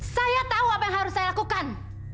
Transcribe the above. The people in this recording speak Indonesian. saya tahu apa yang harus saya lakukan